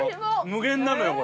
無限なのよこれ。